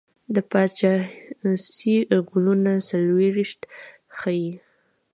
د پاچهي کلونه څلیرویشت ښيي.